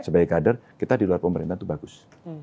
sebagai kader kita di luar pemerintah itu bagus